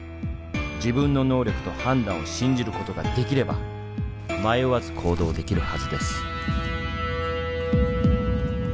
自分の能力と判断を信じることができれば迷わず行動できるはずです」。